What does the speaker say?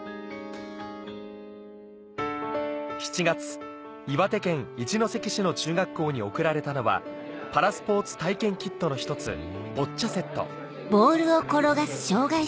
７月岩手県一関市の中学校に贈られたのはパラスポーツ体験キットの一つボッチャセット